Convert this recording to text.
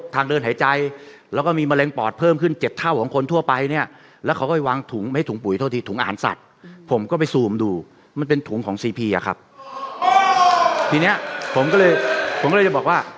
ที่นี้ผมก็เลยจะบอกว่า